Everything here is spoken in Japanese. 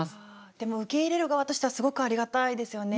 でも受け入れる側としてはすごくありがたいですよね。